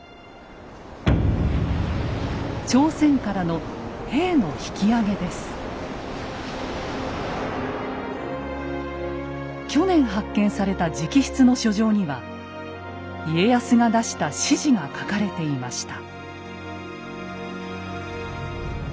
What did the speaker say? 朝鮮からの去年発見された直筆の書状には家康が出した指示が書かれていました。